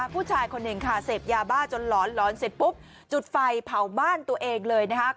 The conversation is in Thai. ผู้ชายคนหนึ่งค่ะเสพยาบ้าจนหลอนหลอนเสร็จปุ๊บจุดไฟเผาบ้านตัวเองเลยนะคะ